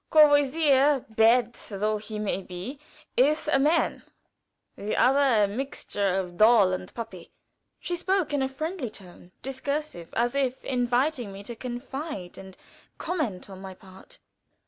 Courvoisier, bad though he may be, is a man; the other a mixture of doll and puppy." She spoke in a friendly tone; discursive, as if inviting confidence and comment on my part.